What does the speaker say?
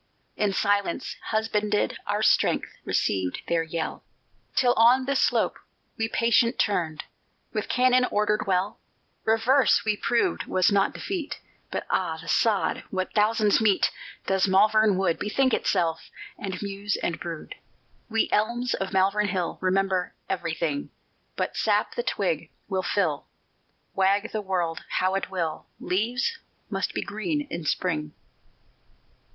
In silence husbanded our strength Received their yell; Till on this slope we patient turned With cannon ordered well; Reverse we proved was not defeat; But ah, the sod what thousands meet! Does Malvern Wood Bethink itself, and muse and brood? _We elms of Malvern Hill Remember everything; But sap the twig will fill: Wag the world how it will, Leaves must be green in Spring.